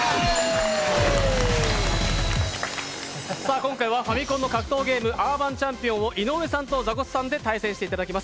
今回はファミコンの格闘ゲームを「アーバンチャンピオン」を井上さんとザコシさんで対戦していただきます。